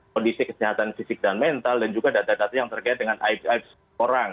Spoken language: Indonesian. kondisi kesehatan fisik dan mental dan juga data data yang terkait dengan aibs aibs orang